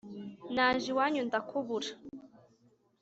Naje iwanyu ndakubura.